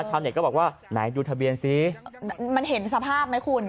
ชาวเกี่ยวก็บอกว่าไหนดูทะเบียนซิมันเห็นทะภาพไหมคุณ